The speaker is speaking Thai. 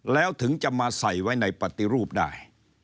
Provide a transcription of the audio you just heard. แล้วถึงจะมาใส่ไว้ในปฏิรูปได้